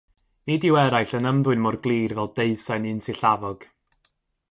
Nid yw eraill yn ymddwyn mor glir fel deusain unsillafog.